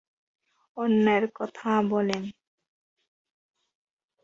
অন্যায় কথা বললেন।